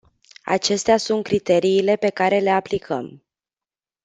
Acestea sunt criteriile pe care le aplicăm.